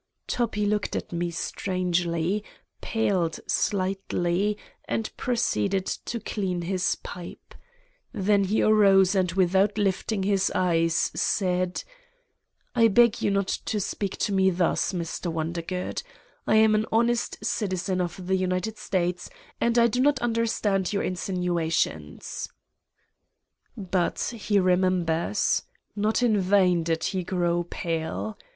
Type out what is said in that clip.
Toppi looked at me strangely, paled" slightly and proceeded to clean his pipe. Then he arose and without lifting his eyes, said : "I beg you not to speak to me thus, Mr. Wondergood. I am an honest citizen of the United States and I do not understand your in sinuations." But he remembers. Not in vain did he grow pale.